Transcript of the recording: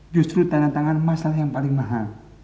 justru tantatangan masalah yang paling mahal